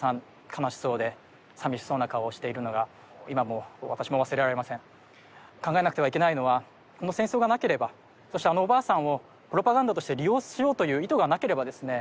悲しそうで寂しそうな顔をしているのが今も私も忘れられません考えなくてはいけないのはこの戦争がなければそしてあのおばあさんをプロパガンダとして利用しようという意図がなければですね